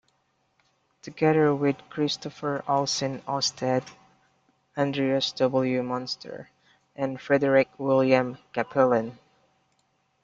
Together with Kristoffer Olsen Oustad, Andreas W. Munster and Frederick William Cappelen.